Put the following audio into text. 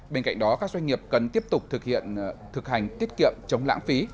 bên cạnh đó các doanh nghiệp cần tiếp tục thực hành tiết kiệm chống lãng phí